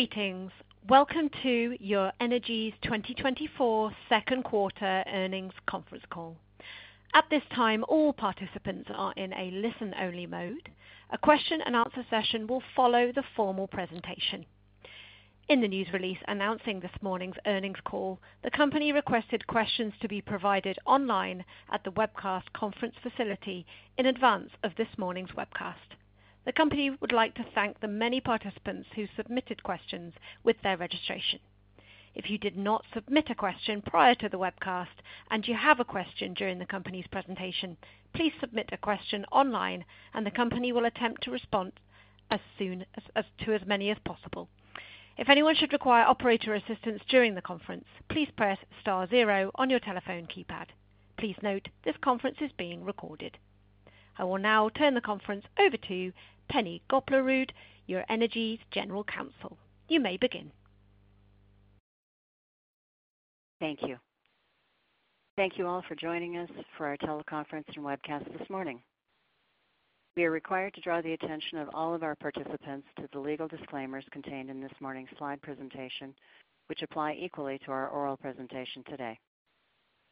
Greetings. Welcome to Ur-Energy's 2024 second quarter earnings conference call. At this time, all participants are in a listen-only mode. A question-and-answer session will follow the formal presentation. In the news release announcing this morning's earnings call, the company requested questions to be provided online at the webcast conference facility in advance of this morning's webcast. The company would like to thank the many participants who submitted questions with their registration. If you did not submit a question prior to the webcast and you have a question during the company's presentation, please submit the question online, and the company will attempt to respond as soon as possible to as many as possible. If anyone should require operator assistance during the conference, please press star zero on your telephone keypad. Please note, this conference is being recorded. I will now turn the conference over to Penne Goplerud, Ur-Energy's General Counsel. You may begin. Thank you. Thank you all for joining us for our teleconference and webcast this morning. We are required to draw the attention of all of our participants to the legal disclaimers contained in this morning's slide presentation, which apply equally to our oral presentation today.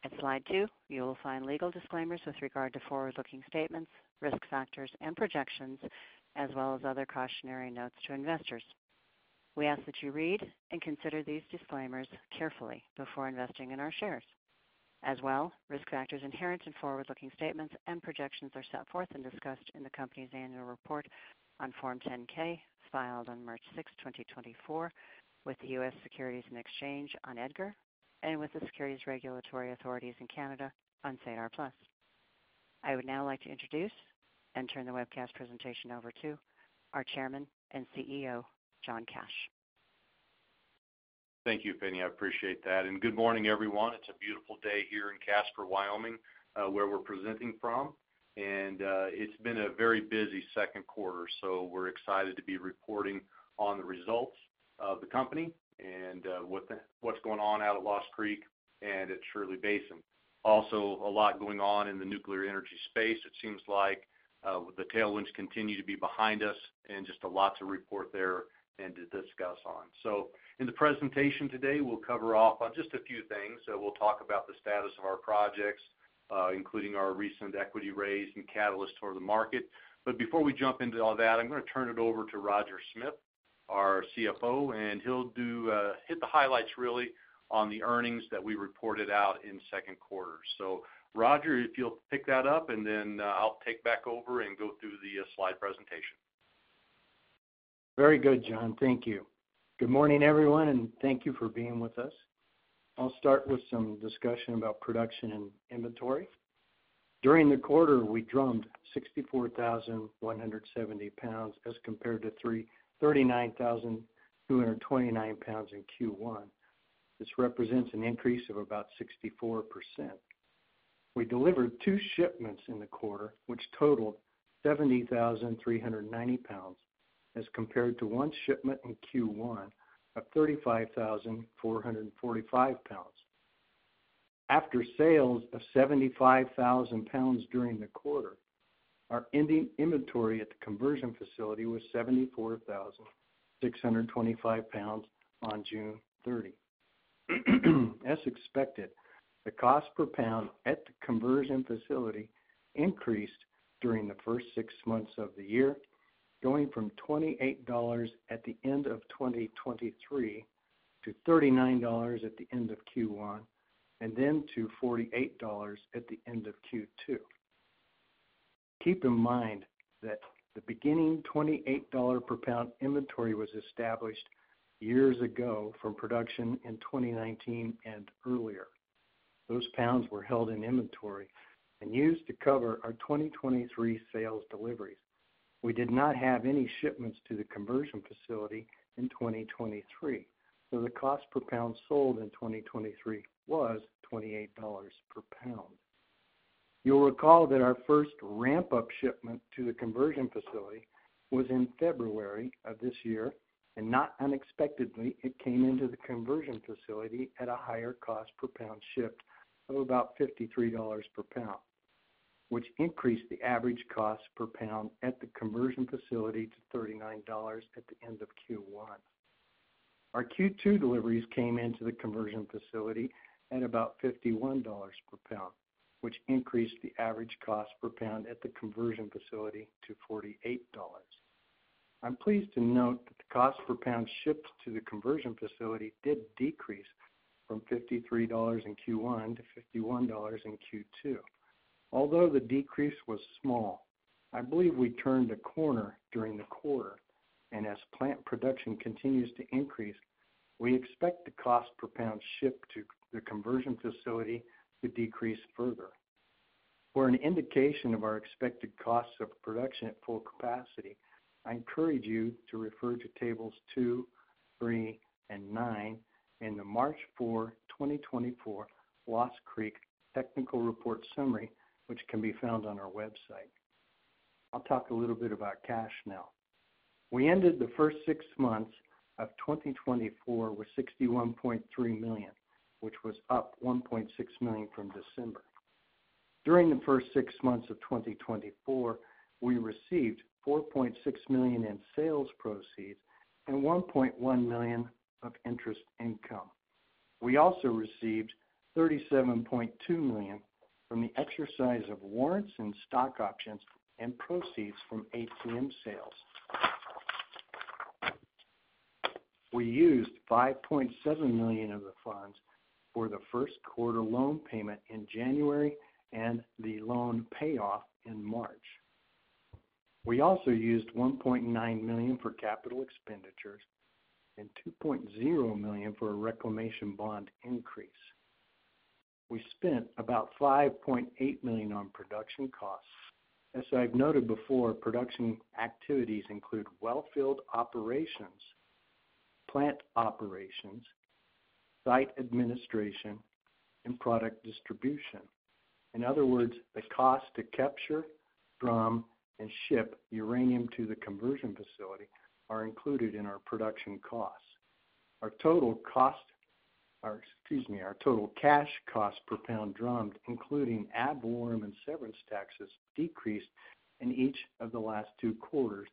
At slide two, you will find legal disclaimers with regard to forward-looking statements, risk factors, and projections, as well as other cautionary notes to investors. We ask that you read and consider these disclaimers carefully before investing in our shares. As well, risk factors inherent in forward-looking statements and projections are set forth and discussed in the company's annual report on Form 10-K, filed on March sixth, 2024, with the U.S. Securities and Exchange Commission on EDGAR, and with the securities regulatory authorities in Canada on SEDAR+. I would now like to introduce and turn the webcast presentation over to our Chairman and CEO, John Cash. Thank you, Penne. I appreciate that, and good morning, everyone. It's a beautiful day here in Casper, Wyoming, where we're presenting from, and it's been a very busy second quarter, so we're excited to be reporting on the results of the company and what's going on out at Lost Creek and at Shirley Basin. Also, a lot going on in the nuclear energy space. It seems like the tailwinds continue to be behind us and just a lot to report there and to discuss on. So in the presentation today, we'll cover off on just a few things. So we'll talk about the status of our projects, including our recent equity raise and catalyst toward the market. But before we jump into all that, I'm gonna turn it over to Roger Smith, our CFO, and he'll hit the highlights really on the earnings that we reported out in second quarter. So Roger, if you'll pick that up, and then I'll take back over and go through the slide presentation. Very good, John. Thank you. Good morning, everyone, and thank you for being with us. I'll start with some discussion about production and inventory. During the quarter, we drummed 64,170 lbs as compared to thirty-nine thousand two hundred and twenty-nine lbs in Q1. This represents an increase of about 64%. We delivered two shipments in the quarter, which totaled 70,390 lbs, as compared to one shipment in Q1 of 35,445 lbs. After sales of 75,000 lbs during the quarter, our ending inventory at the conversion facility was 74,625 lbs on June thirty. As expected, the cost per pound at the conversion facility increased during the first six months of the year, going from $28 at the end of 2023, to $39 at the end of Q1, and then to $48 at the end of Q2. Keep in mind that the beginning $28 per pound inventory was established years ago from production in 2019 and earlier. Those pounds were held in inventory and used to cover our 2023 sales deliveries. We did not have any shipments to the conversion facility in 2023, so the cost per pound sold in 2023 was $28 per pound. You'll recall that our first ramp-up shipment to the conversion facility was in February of this year, and not unexpectedly, it came into the conversion facility at a higher cost per pound shipped of about $53 per pound, which increased the average cost per pound at the conversion facility to $39 at the end of Q1. Our Q2 deliveries came into the conversion facility at about $51 per pound, which increased the average cost per pound at the conversion facility to $48. I'm pleased to note that the cost per pound shipped to the conversion facility did decrease from $53 in Q1 to $51 in Q2. Although the decrease was small, I believe we turned a corner during the quarter, and as plant production continues to increase, we expect the cost per pound shipped to the conversion facility to decrease further. For an indication of our expected costs of production at full capacity, I encourage you to refer to tables two, three, and nine in the March four, 2024, Lost Creek Technical Report Summary, which can be found on our website. I'll talk a little bit about cash now. We ended the first six months of 2024 with $61.3 million, which was up $1.6 million from December. During the first six months of 2024, we received $4.6 million in sales proceeds and $1.1 million of interest income. We also received $37.2 million from the exercise of warrants and stock options and proceeds from ATM sales. We used $5.7 million of the funds for the first quarter loan payment in January and the loan payoff in March. We also used $1.9 million for capital expenditures and $2.0 million for a reclamation bond increase. We spent about $5.8 million on production costs. As I've noted before, production activities include wellfield operations, plant operations, site administration, and product distribution. In other words, the cost to capture, drum, and ship uranium to the conversion facility are included in our production costs. Our total cash cost per pound drummed, including ad valorem and severance taxes, decreased in each of the last two quarters,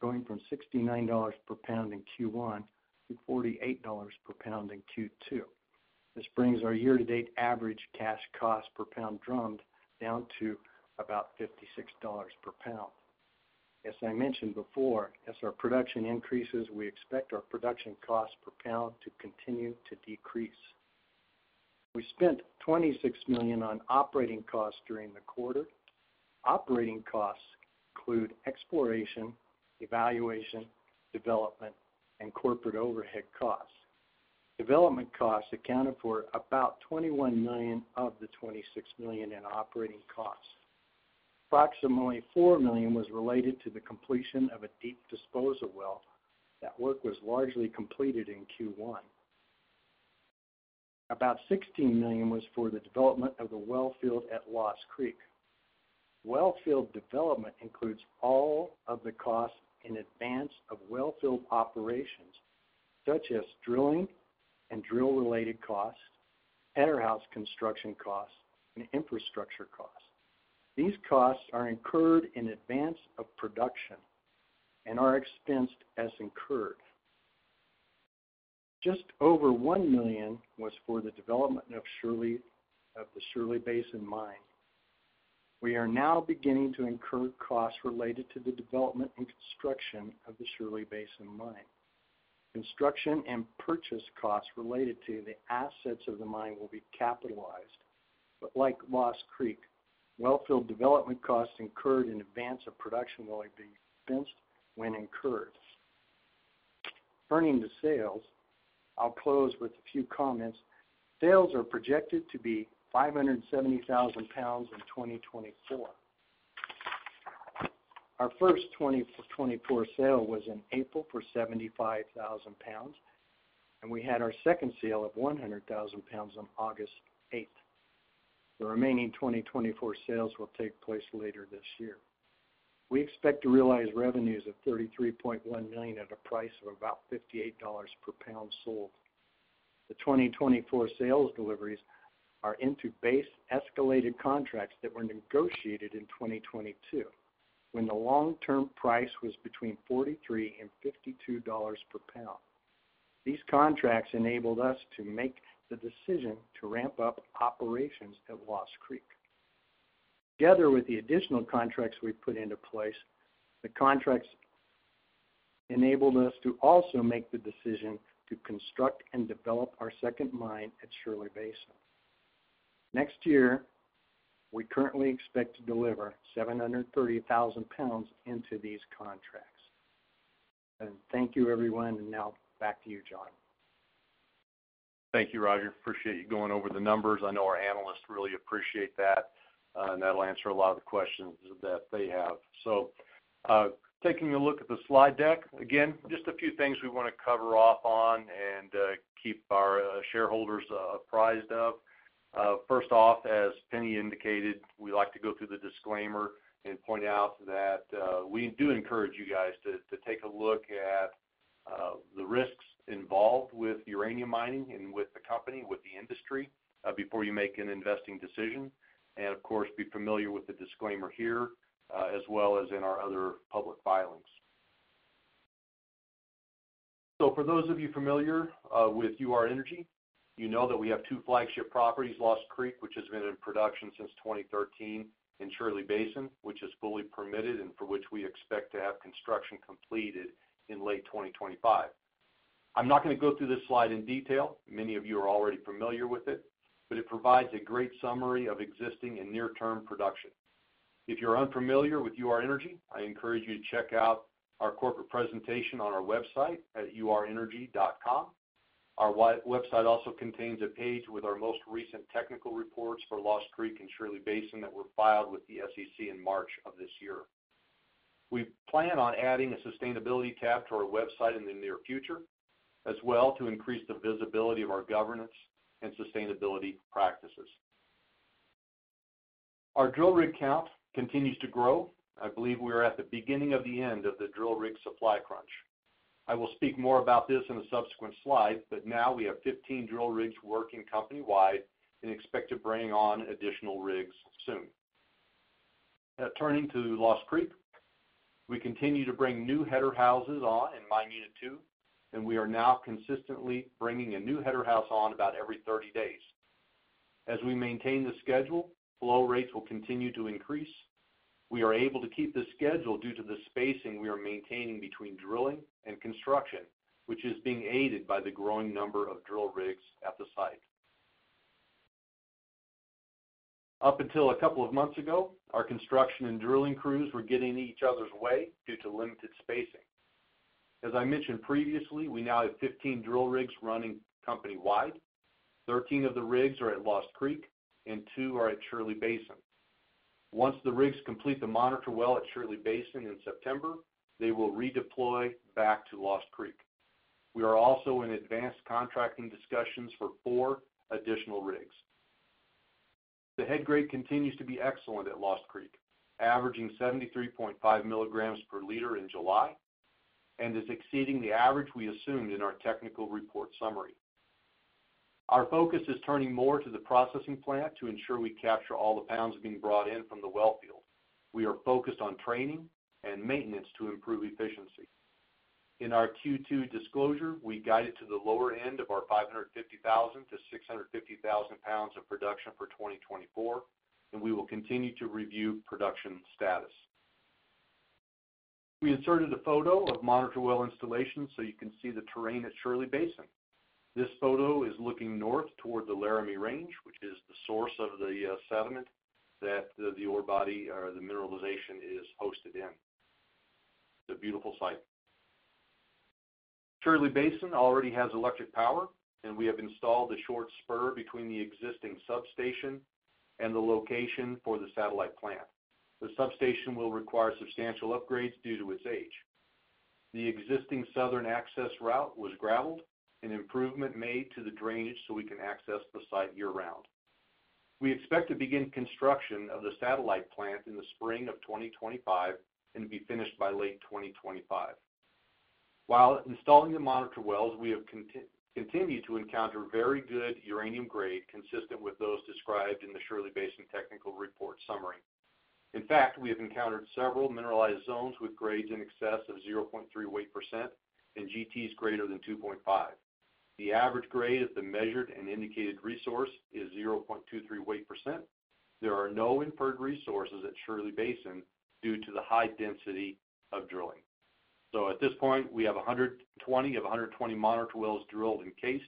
going from $69 per pound in Q1 to $48 per pound in Q2. This brings our year-to-date average cash cost per pound drummed down to about $56 per pound. As I mentioned before, as our production increases, we expect our production cost per pound to continue to decrease. We spent $26 million on operating costs during the quarter. Operating costs include exploration, evaluation, development, and corporate overhead costs. Development costs accounted for about $21 million of the $26 million in operating costs. Approximately $4 million was related to the completion of a deep disposal well. That work was largely completed in Q1. About $16 million was for the development of the wellfield at Lost Creek. Wellfield development includes all of the costs in advance of wellfield operations, such as drilling and drill-related costs, header house construction costs, and infrastructure costs. These costs are incurred in advance of production and are expensed as incurred. Just over $1 million was for the development of the Shirley Basin mine. We are now beginning to incur costs related to the development and construction of the Shirley Basin mine. Construction and purchase costs related to the assets of the mine will be capitalized, but like Lost Creek, wellfield development costs incurred in advance of production will be expensed when incurred. Turning to sales, I'll close with a few comments. Sales are projected to be 570,000 pounds in 2024. d Our first 2024 sale was in April for 75,000 pounds, and we had our second sale of 100,000 pounds on August 8. The remaining 2024 sales will take place later this year. We expect to realize revenues of $33.1 million at a price of about $58 per pound sold. The 2024 sales deliveries are into base escalated contracts that were negotiated in 2022, when the long-term price was between $43 and $52 per pound. These contracts enabled us to make the decision to ramp up operations at Lost Creek. Together with the additional contracts we've put into place, the contracts enabled us to also make the decision to construct and develop our second mine at Shirley Basin. Next year, we currently expect to deliver 730,000 pounds into these contracts. Thank you, everyone, and now back to you, John. Thank you, Roger. Appreciate you going over the numbers. I know our analysts really appreciate that, and that'll answer a lot of the questions that they have. So, taking a look at the slide deck, again, just a few things we wanna cover off on and, keep our, shareholders, apprised of. First off, as Penne indicated, we like to go through the disclaimer and point out that, we do encourage you guys to take a look at, the risks involved with uranium mining and with the company, with the industry, before you make an investing decision. And of course, be familiar with the disclaimer here, as well as in our other public filings. For those of you familiar with Ur-Energy, you know that we have two flagship properties, Lost Creek, which has been in production since twenty thirteen, and Shirley Basin, which is fully permitted and for which we expect to have construction completed in late 2025. I'm not gonna go through this slide in detail. Many of you are already familiar with it, but it provides a great summary of existing and near-term production. If you're unfamiliar with Ur-Energy, I encourage you to check out our corporate presentation on our website at urenergy.com. Our website also contains a page with our most recent technical reports for Lost Creek and Shirley Basin that were filed with the SEC in March of this year. We plan on adding a sustainability tab to our website in the near future, as well, to increase the visibility of our governance and sustainability practices. Our drill rig count continues to grow. I believe we are at the beginning of the end of the drill rig supply crunch. I will speak more about this in a subsequent slide, but now we have 15 drill rigs working company-wide and expect to bring on additional rigs soon. Now turning to Lost Creek. We continue to bring new header houses on in mine unit two, and we are now consistently bringing a new header house on about every 30 days. As we maintain the schedule, flow rates will continue to increase. We are able to keep the schedule due to the spacing we are maintaining between drilling and construction, which is being aided by the growing number of drill rigs at the site. Up until a couple of months ago, our construction and drilling crews were getting in each other's way due to limited spacing. As I mentioned previously, we now have 15 drill rigs running company-wide. 13 of the rigs are at Lost Creek and 2 are at Shirley Basin. Once the rigs complete the monitor well at Shirley Basin in September, they will redeploy back to Lost Creek. We are also in advanced contracting discussions for 4 additional rigs. The head grade continues to be excellent at Lost Creek, averaging 73.5 milligrams per liter in July, and is exceeding the average we assumed in our technical report summary. Our focus is turning more to the processing plant to ensure we capture all the pounds being brought in from the well field. We are focused on training and maintenance to improve efficiency. In our Q2 disclosure, we guided to the lower end of our five hundred and fifty thousand to six hundred and fifty thousand pounds of production for 2024, and we will continue to review production status. We inserted a photo of monitor well installation so you can see the terrain at Shirley Basin. This photo is looking north toward the Laramie Range, which is the source of the sediment that the ore body or the mineralization is hosted in. It's a beautiful site. Shirley Basin already has electric power, and we have installed a short spur between the existing substation and the location for the satellite plant. The substation will require substantial upgrades due to its age. The existing southern access route was graveled, and improvement made to the drainage so we can access the site year-round. We expect to begin construction of the satellite plant in the spring of 2025 and be finished by late 2025. While installing the monitor wells, we have continued to encounter very good uranium grade, consistent with those described in the Shirley Basin Technical Report Summary. In fact, we have encountered several mineralized zones with grades in excess of 0.3 weight % and GTs greater than 2.5. The average grade of the measured and indicated resource is 0.23 weight %. There are no inferred resources at Shirley Basin due to the high density of drilling. So at this point, we have 120 of 120 monitor wells drilled and cased,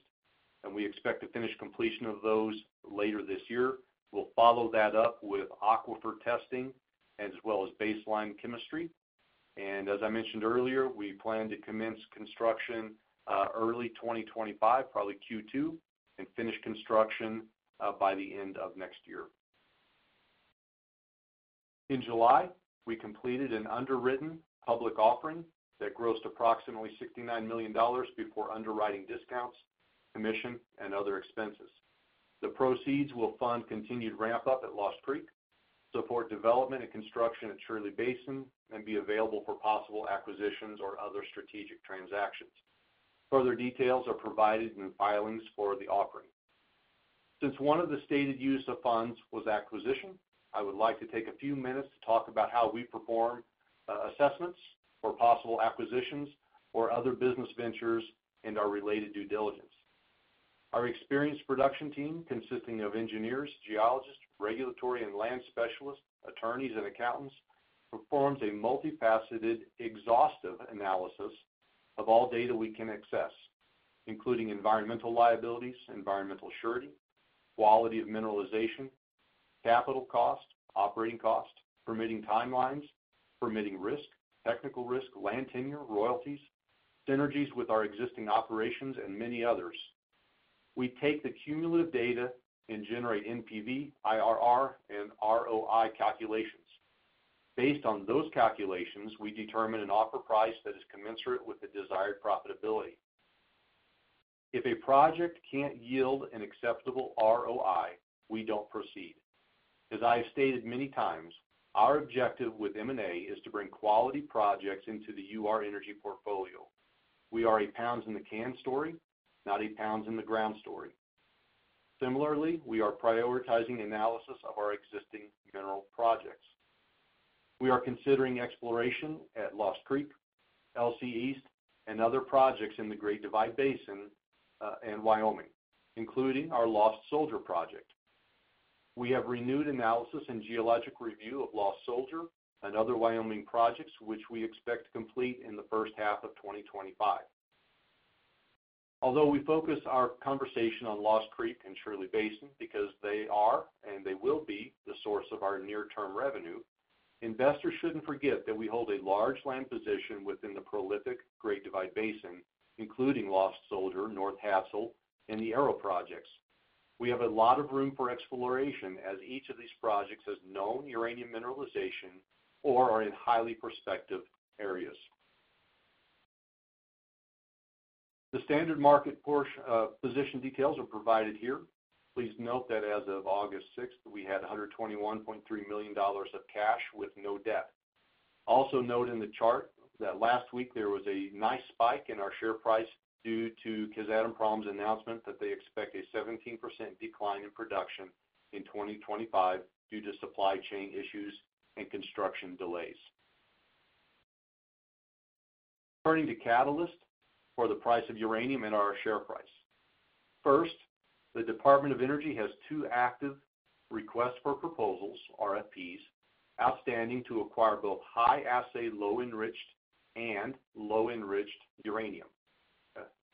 and we expect to finish completion of those later this year. We'll follow that up with aquifer testing as well as baseline chemistry, and as I mentioned earlier, we plan to commence construction early 2025, probably Q2, and finish construction by the end of next year. In July, we completed an underwritten public offering that grossed approximately $69 million before underwriting discounts, commission, and other expenses. The proceeds will fund continued ramp-up at Lost Creek, support development and construction at Shirley Basin, and be available for possible acquisitions or other strategic transactions. Further details are provided in the filings for the offering. Since one of the stated use of funds was acquisition, I would like to take a few minutes to talk about how we perform assessments for possible acquisitions or other business ventures and our related due diligence. Our experienced production team, consisting of engineers, geologists, regulatory and land specialists, attorneys and accountants, performs a multifaceted, exhaustive analysis of all data we can access, including environmental liabilities, environmental surety, quality of mineralization, capital cost, operating cost, permitting timelines, permitting risk, technical risk, land tenure, royalties, synergies with our existing operations, and many others. We take the cumulative data and generate NPV, IRR, and ROI calculations. Based on those calculations, we determine an offer price that is commensurate with the desired profitability. If a project can't yield an acceptable ROI, we don't proceed. As I have stated many times, our objective with M&A is to bring quality projects into the Ur-Energy portfolio. We are a pounds in the can story, not a pounds in the ground story. Similarly, we are prioritizing analysis of our existing mineral projects. We are considering exploration at Lost Creek, LC East, and other projects in the Great Divide Basin, and Wyoming, including our Lost Soldier project. We have renewed analysis and geologic review of Lost Soldier and other Wyoming projects, which we expect to complete in the first half of 2025. Although we focus our conversation on Lost Creek and Shirley Basin because they are, and they will be, the source of our near-term revenue, investors shouldn't forget that we hold a large land position within the prolific Great Divide Basin, including Lost Soldier, North Hadsell, and the Arrow projects. We have a lot of room for exploration, as each of these projects has known uranium mineralization or are in highly prospective areas. The standard market position details are provided here. Please note that as of August sixth, we had $121.3 million of cash with no debt. Also note in the chart that last week there was a nice spike in our share price due to Kazatomprom's announcement that they expect a 17% decline in production in 2025 due to supply chain issues and construction delays. Turning to catalyst for the price of uranium and our share price. First, the Department of Energy has two active requests for proposals, RFPs, outstanding to acquire both high assay, low enriched and low enriched uranium.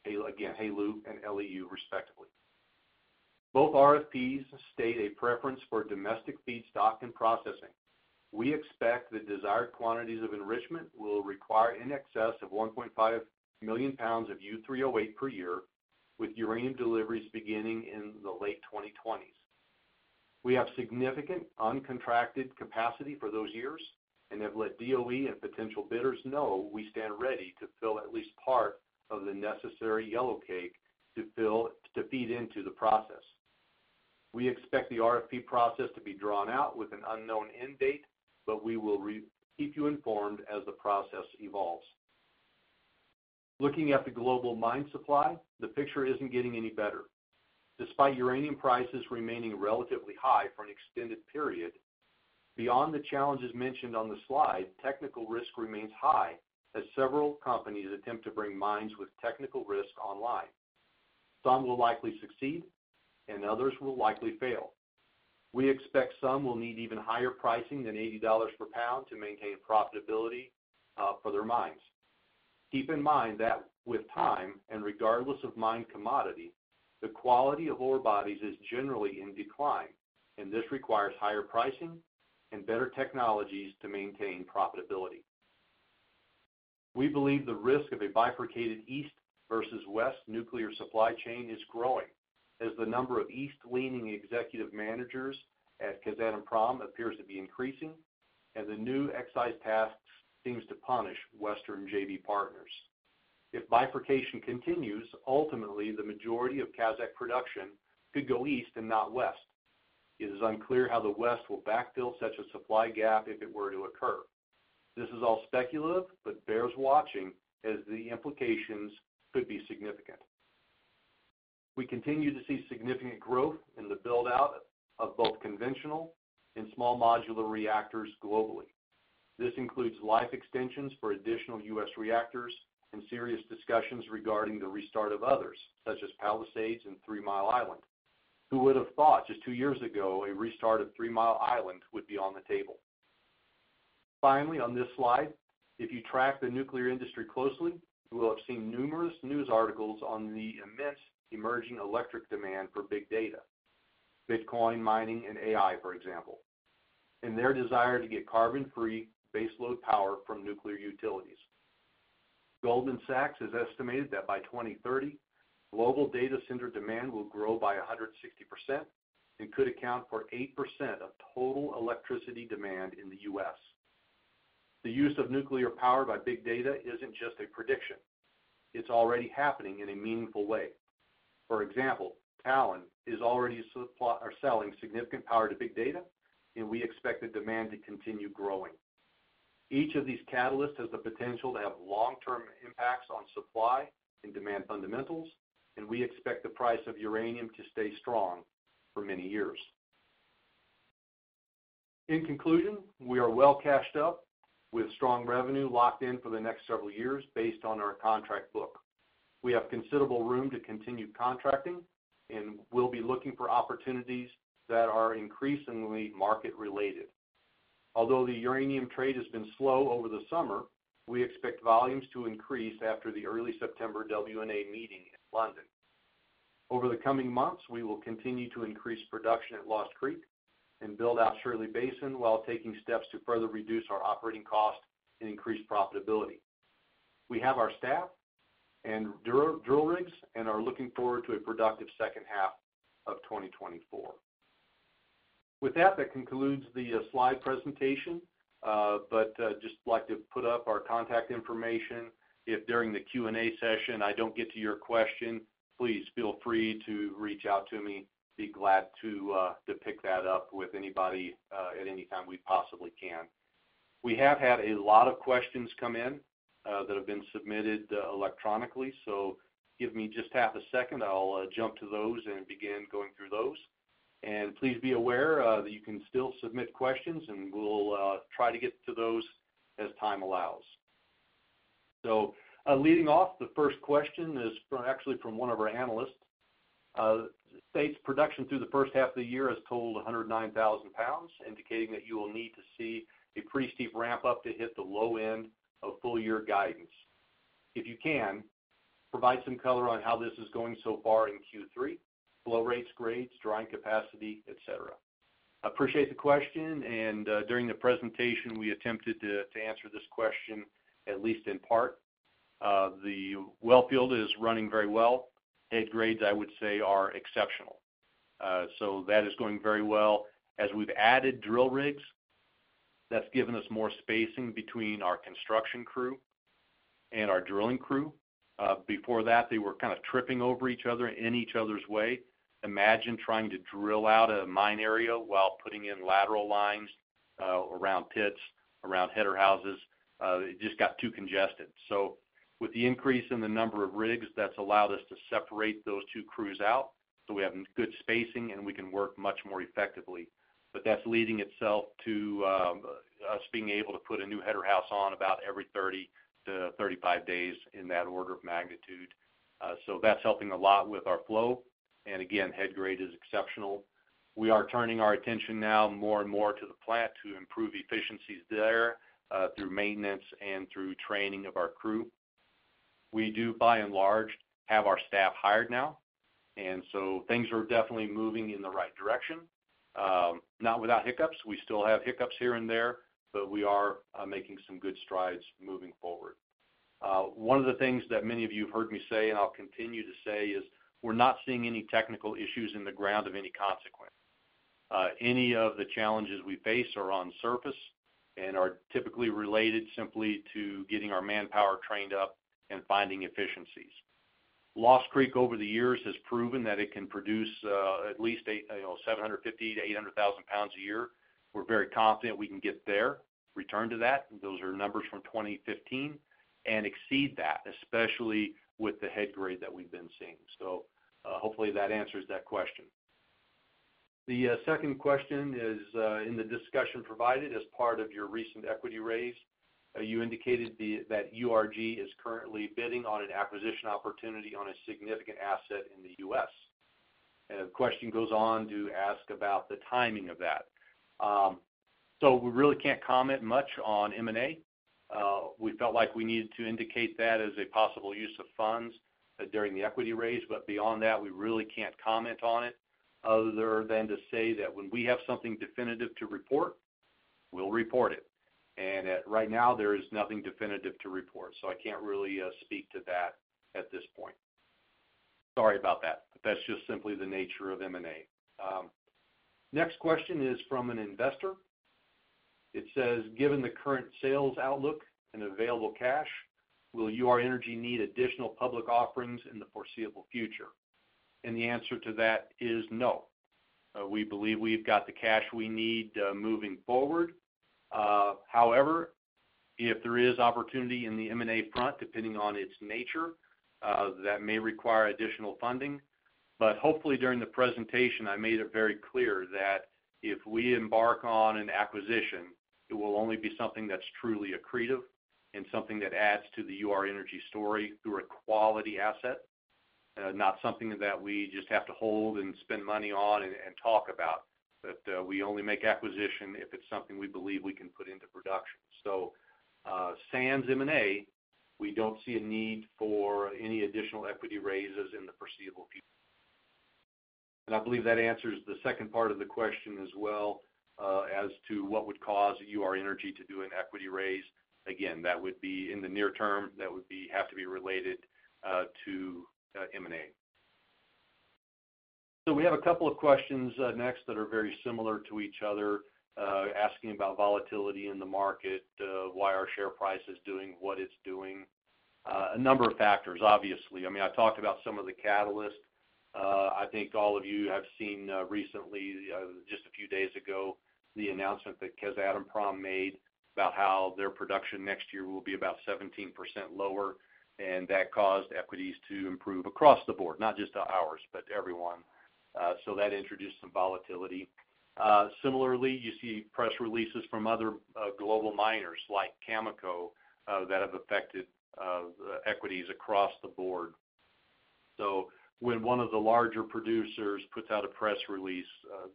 Again, HALEU and LEU, respectively. Both RFPs state a preference for domestic feedstock and processing. We expect the desired quantities of enrichment will require in excess of 1.5 million pounds of U3O8 per year, with uranium deliveries beginning in the late 2020s. We have significant uncontracted capacity for those years and have let DOE and potential bidders know we stand ready to fill at least part of the necessary yellowcake to feed into the process. We expect the RFP process to be drawn out with an unknown end date, but we will keep you informed as the process evolves. Looking at the global mine supply, the picture isn't getting any better. Despite uranium prices remaining relatively high for an extended period, beyond the challenges mentioned on the slide, technical risk remains high as several companies attempt to bring mines with technical risk online. Some will likely succeed and others will likely fail. We expect some will need even higher pricing than $80 per pound to maintain profitability for their mines. Keep in mind that with time and regardless of mine commodity, the quality of ore bodies is generally in decline, and this requires higher pricing and better technologies to maintain profitability. We believe the risk of a bifurcated east versus West nuclear supply chain is growing, as the number of east-leaning executive managers at Kazatomprom appears to be increasing, and the new excise tax seems to punish Western JV partners. If bifurcation continues, ultimately, the majority of Kazakh production could go east and not West. It is unclear how the West will backfill such a supply gap if it were to occur. This is all speculative, but bears watching, as the implications could be significant. We continue to see significant growth in the build-out of both conventional and small modular reactors globally. This includes life extensions for additional U.S. reactors and serious discussions regarding the restart of others, such as Palisades and Three Mile Island. Who would have thought just two years ago, a restart of Three Mile Island would be on the table? Finally, on this slide, if you track the nuclear industry closely, you will have seen numerous news articles on the immense emerging electric demand for big data, Bitcoin mining and AI, for example, and their desire to get carbon-free baseload power from nuclear utilities. Goldman Sachs has estimated that by 2030, global data center demand will grow by 160% and could account for 8% of total electricity demand in the U.S. The use of nuclear power by big data isn't just a prediction, it's already happening in a meaningful way. For example, Talen is already supplying or selling significant power to big data, and we expect the demand to continue growing. Each of these catalysts has the potential to have long-term impacts on supply and demand fundamentals, and we expect the price of uranium to stay strong for many years. In conclusion, we are well cashed up with strong revenue locked in for the next several years based on our contract book. We have considerable room to continue contracting and we'll be looking for opportunities that are increasingly market related. Although the uranium trade has been slow over the summer, we expect volumes to increase after the early September WNA meeting in London. Over the coming months, we will continue to increase production at Lost Creek and build out Shirley Basin while taking steps to further reduce our operating costs and increase profitability. We have our staff and drill rigs and are looking forward to a productive second half of 2024. With that, that concludes the slide presentation, but just like to put up our contact information. If during the Q&A session I don't get to your question, please feel free to reach out to me. Be glad to pick that up with anybody at any time we possibly can. We have had a lot of questions come in that have been submitted electronically, so give me just half a second. I'll jump to those and begin going through those. Please be aware that you can still submit questions, and we'll try to get to those as time allows. Leading off, the first question is from, actually from one of our analysts, states: production through the first half of the year has totaled a hundred and nine thousand pounds, indicating that you will need to see a pretty steep ramp-up to hit the low end of full year guidance. If you can, provide some color on how this is going so far in Q3, flow rates, grades, drying capacity, et cetera. Appreciate the question, and during the presentation, we attempted to answer this question, at least in part. The well field is running very well. Head grades, I would say, are exceptional. So that is going very well. As we've added drill rigs-... That's given us more spacing between our construction crew and our drilling crew. Before that, they were kind of tripping over each other, in each other's way. Imagine trying to drill out a mine area while putting in lateral lines, around pits, around header houses. It just got too congested. So with the increase in the number of rigs, that's allowed us to separate those two crews out, so we have good spacing, and we can work much more effectively. But that's leading itself to us being able to put a new header house on about every thirty to thirty-five days in that order of magnitude. So that's helping a lot with our flow. And again, head grade is exceptional. We are turning our attention now more and more to the plant to improve efficiencies there, through maintenance and through training of our crew. We do, by and large, have our staff hired now, and so things are definitely moving in the right direction. Not without hiccups. We still have hiccups here and there, but we are making some good strides moving forward. One of the things that many of you have heard me say, and I'll continue to say, is we're not seeing any technical issues in the ground of any consequence. Any of the challenges we face are on surface and are typically related simply to getting our manpower trained up and finding efficiencies. Lost Creek, over the years, has proven that it can produce, you know, at least 750-800 thousand pounds a year. We're very confident we can get there, return to that. Those are numbers from 2015, and exceed that, especially with the head grade that we've been seeing. Hopefully, that answers that question. The second question is in the discussion provided as part of your recent equity raise, you indicated that URG is currently bidding on an acquisition opportunity on a significant asset in the US. And the question goes on to ask about the timing of that. We really can't comment much on M&A. We felt like we needed to indicate that as a possible use of funds during the equity raise, but beyond that, we really can't comment on it other than to say that when we have something definitive to report, we'll report it. And right now, there is nothing definitive to report, so I can't really speak to that at this point. Sorry about that, but that's just simply the nature of M&A. Next question is from an investor. It says: Given the current sales outlook and available cash, will Ur-Energy need additional public offerings in the foreseeable future? And the answer to that is no. We believe we've got the cash we need, moving forward. However, if there is opportunity in the M&A front, depending on its nature, that may require additional funding. But hopefully, during the presentation, I made it very clear that if we embark on an acquisition, it will only be something that's truly accretive and something that adds to the Ur-Energy story through a quality asset, not something that we just have to hold and spend money on and talk about. That, we only make acquisition if it's something we believe we can put into production. So, sans M&A, we don't see a need for any additional equity raises in the foreseeable future. And I believe that answers the second part of the question as well, as to what would cause Ur-Energy to do an equity raise. Again, that would have to be related to M&A. So we have a couple of questions next that are very similar to each other, asking about volatility in the market, why our share price is doing what it's doing. A number of factors, obviously. I mean, I've talked about some of the catalysts. I think all of you have seen recently, just a few days ago, the announcement that Kazatomprom made about how their production next year will be about 17% lower, and that caused equities to improve across the board, not just to ours, but to everyone. So that introduced some volatility. Similarly, you see press releases from other global miners, like Cameco, that have affected equities across the board. So when one of the larger producers puts out a press release,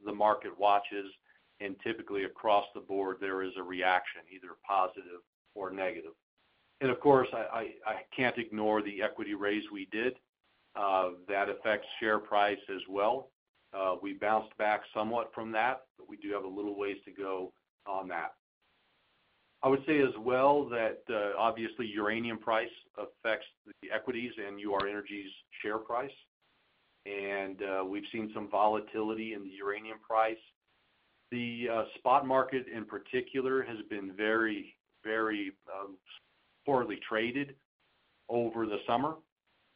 the market watches, and typically across the board, there is a reaction, either positive or negative. And of course, I can't ignore the equity raise we did. That affects share price as well, we bounced back somewhat from that, but we do have a little ways to go on that. I would say as well, that obviously, uranium price affects the equities and Ur-Energy's share price, and we've seen some volatility in the uranium price. The spot market, in particular, has been very, very poorly traded over the summer.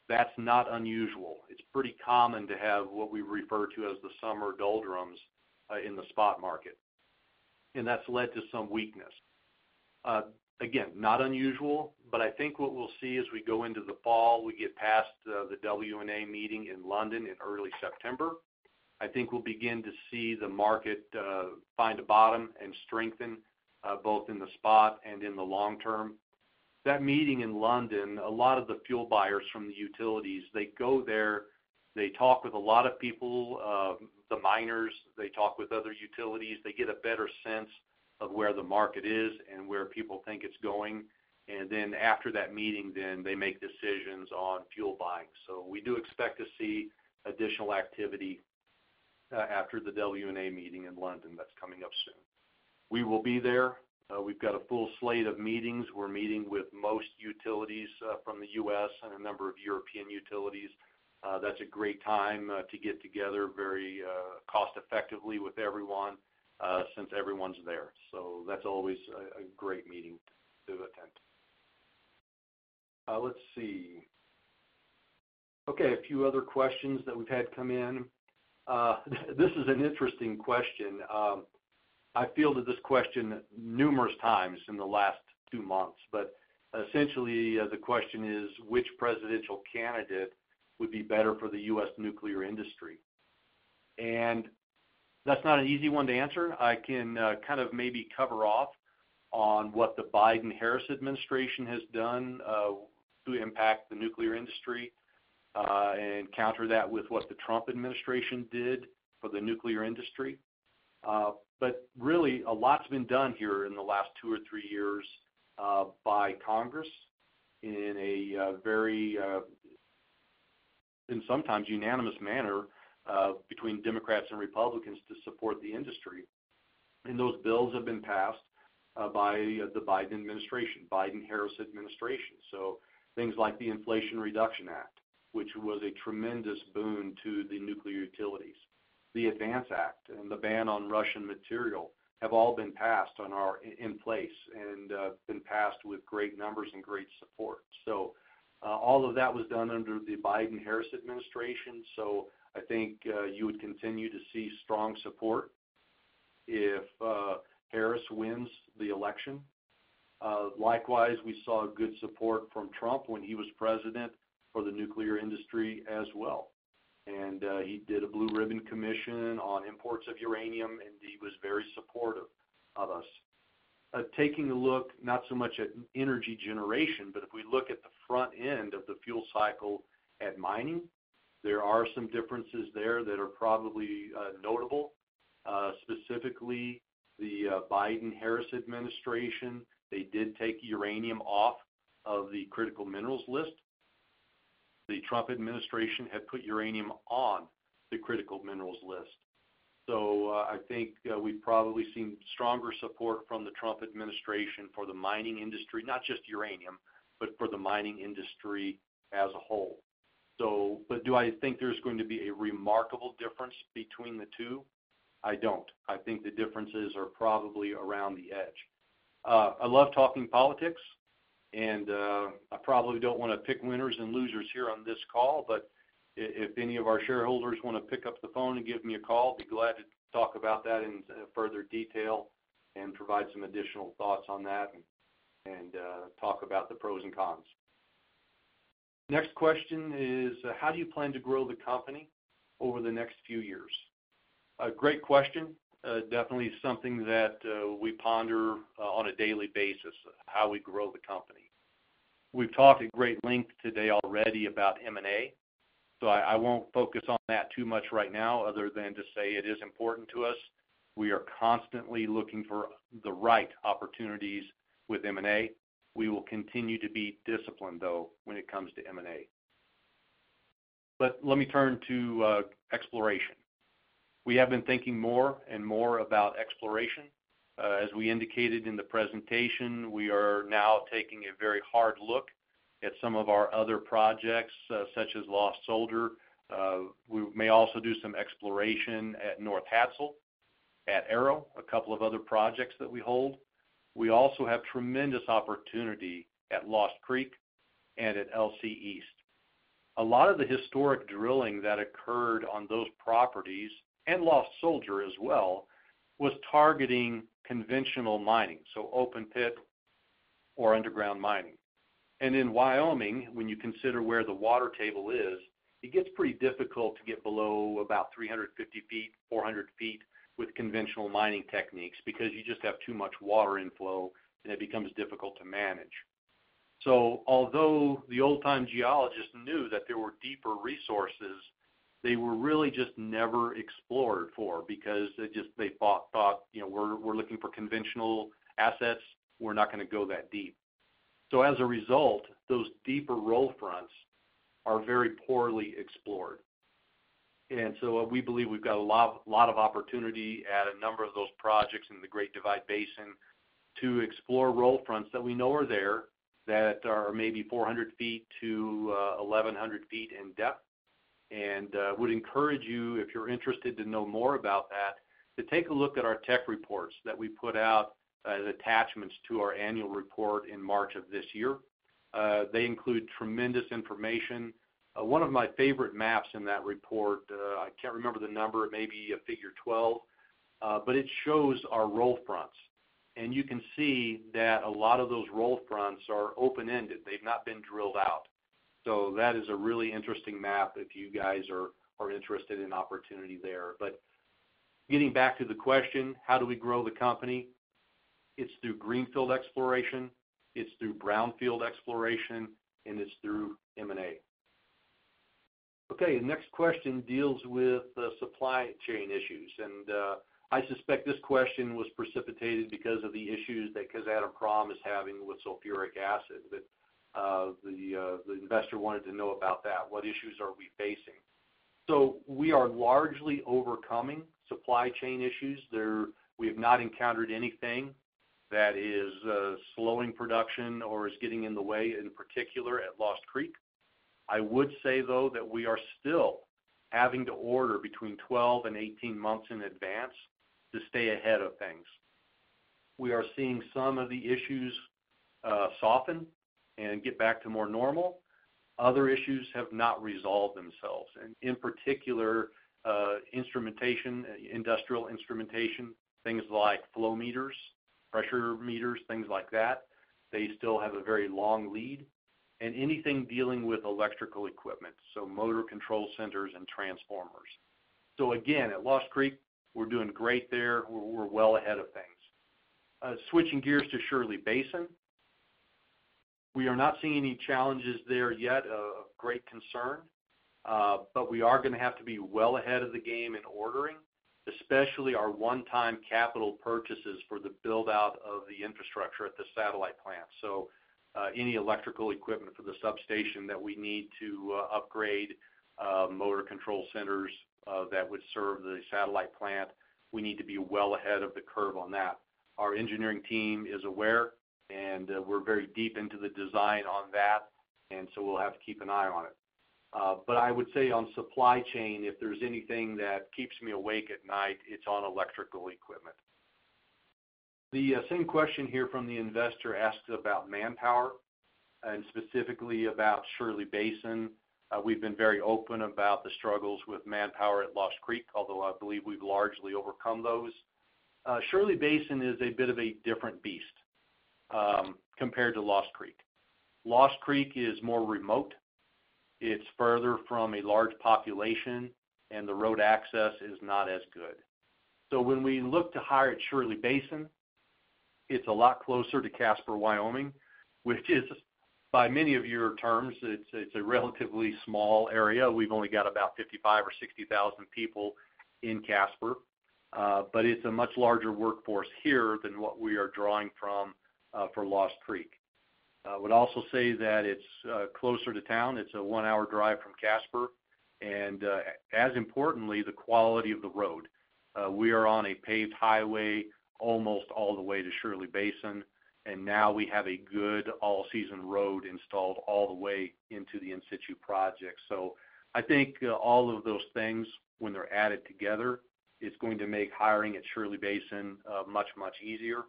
That's not unusual. It's pretty common to have what we refer to as the summer doldrums in the spot market, and that's led to some weakness. Again, not unusual, but I think what we'll see as we go into the fall, we get past the WNA meeting in London in early September, I think we'll begin to see the market find a bottom and strengthen both in the spot and in the long term. That meeting in London, a lot of the fuel buyers from the utilities, they go there, they talk with a lot of people, the miners, they talk with other utilities, they get a better sense of where the market is and where people think it's going. And then after that meeting, then they make decisions on fuel buying. So we do expect to see additional activity after the WNA meeting in London. That's coming up soon. We will be there. We've got a full slate of meetings. We're meeting with most utilities from the U.S. and a number of European utilities. That's a great time to get together very cost-effectively with everyone since everyone's there. So that's always a great meeting to attend. Let's see. Okay, a few other questions that we've had come in. This is an interesting question. I fielded this question numerous times in the last two months, but essentially the question is, which presidential candidate would be better for the U.S. nuclear industry? And that's not an easy one to answer. I can kind of maybe cover off on what the Biden-Harris administration has done to impact the nuclear industry and counter that with what the Trump administration did for the nuclear industry. But really, a lot's been done here in the last two or three years by Congress in a very, sometimes unanimous manner between Democrats and Republicans to support the industry. And those bills have been passed by the Biden administration, Biden-Harris administration. So things like the Inflation Reduction Act, which was a tremendous boon to the nuclear utilities, the ADVANCE Act, and the ban on Russian material, have all been passed and are in place and been passed with great numbers and great support. So all of that was done under the Biden-Harris administration. So I think you would continue to see strong support if Harris wins the election. Likewise, we saw good support from Trump when he was president for the nuclear industry as well. He did a blue ribbon commission on imports of uranium, and he was very supportive of us. Taking a look, not so much at energy generation, but if we look at the front end of the fuel cycle at mining, there are some differences there that are probably notable. Specifically, the Biden-Harris administration, they did take uranium off of the critical minerals list. The Trump administration had put uranium on the critical minerals list. So, I think we've probably seen stronger support from the Trump administration for the mining industry, not just uranium, but for the mining industry as a whole. So, but do I think there's going to be a remarkable difference between the two? I don't. I think the differences are probably around the edge. I love talking politics, and I probably don't wanna pick winners and losers here on this call, but if any of our shareholders wanna pick up the phone and give me a call, I'd be glad to talk about that in further detail and provide some additional thoughts on that and talk about the pros and cons. Next question is, how do you plan to grow the company over the next few years? A great question. Definitely something that we ponder on a daily basis, how we grow the company. We've talked at great length today already about M&A, so I won't focus on that too much right now other than to say it is important to us. We are constantly looking for the right opportunities with M&A. We will continue to be disciplined, though, when it comes to M&A. But let me turn to exploration. We have been thinking more and more about exploration. As we indicated in the presentation, we are now taking a very hard look at some of our other projects, such as Lost Soldier. We may also do some exploration at North Hadsell, at Arrow, a couple of other projects that we hold. We also have tremendous opportunity at Lost Creek and at LC East. A lot of the historic drilling that occurred on those properties, and Lost Soldier as well, was targeting conventional mining, so open pit or underground mining. And in Wyoming, when you consider where the water table is, it gets pretty difficult to get below about 350 feet, 400 feet, with conventional mining techniques because you just have too much water inflow, and it becomes difficult to manage. So although the old-time geologists knew that there were deeper resources, they were really just never explored for because they just they thought, "You know, we're looking for conventional assets. We're not gonna go that deep." So as a result, those deeper roll fronts are very poorly explored. And so we believe we've got a lot, lot of opportunity at a number of those projects in the Great Divide Basin to explore roll fronts that we know are there, that are maybe 400 feet to 1,100 feet in depth. And would encourage you, if you're interested to know more about that, to take a look at our tech reports that we put out as attachments to our annual report in March of this year. They include tremendous information. One of my favorite maps in that report, I can't remember the number, it may be figure twelve, but it shows our roll fronts. And you can see that a lot of those roll fronts are open-ended. They've not been drilled out. So that is a really interesting map if you guys are interested in opportunity there. But getting back to the question, how do we grow the company? It's through greenfield exploration, it's through brownfield exploration, and it's through M&A. Okay, the next question deals with the supply chain issues, and I suspect this question was precipitated because of the issues that Kazatomprom is having with sulfuric acid. But the investor wanted to know about that. What issues are we facing? So we are largely overcoming supply chain issues. There, we have not encountered anything that is slowing production or is getting in the way, in particular at Lost Creek. I would say, though, that we are still having to order between twelve and eighteen months in advance to stay ahead of things. We are seeing some of the issues soften and get back to more normal. Other issues have not resolved themselves, and in particular, instrumentation, industrial instrumentation, things like flow meters, pressure meters, things like that. They still have a very long lead. And anything dealing with electrical equipment, so motor control centers and transformers. So again, at Lost Creek, we're doing great there. We're well ahead of things. Switching gears to Shirley Basin, we are not seeing any challenges there yet of great concern, but we are going to have to be well ahead of the game in ordering, especially our one-time capital purchases for the build-out of the infrastructure at the satellite plant. Any electrical equipment for the substation that we need to upgrade, motor control centers, that would serve the satellite plant, we need to be well ahead of the curve on that. Our engineering team is aware, and we're very deep into the design on that, and so we'll have to keep an eye on it. But I would say on supply chain, if there's anything that keeps me awake at night, it's on electrical equipment. The same question here from the investor asks about manpower and specifically about Shirley Basin. We've been very open about the struggles with manpower at Lost Creek, although I believe we've largely overcome those. Shirley Basin is a bit of a different beast compared to Lost Creek. Lost Creek is more remote, it's further from a large population, and the road access is not as good. So when we look to hire at Shirley Basin, it's a lot closer to Casper, Wyoming, which is by many of your terms, it's a relatively small area. We've only got about fifty-five or sixty thousand people in Casper, but it's a much larger workforce here than what we are drawing from for Lost Creek. I would also say that it's closer to town. It's a one-hour drive from Casper, and as importantly, the quality of the road. We are on a paved highway almost all the way to Shirley Basin, and now we have a good all-season road installed all the way into the in situ project. So I think, all of those things, when they're added together, is going to make hiring at Shirley Basin, much, much easier.